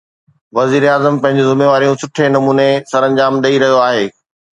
وزيراعظم پنهنجون ذميواريون سٺي نموني سرانجام ڏئي رهيو آهي.